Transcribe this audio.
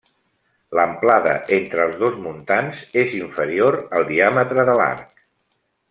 L'amplada entre els dos muntants és inferior al diàmetre de l'arc.